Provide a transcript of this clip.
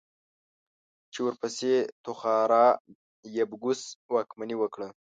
چې ورپسې توخارا يبگوس واکمني وکړه.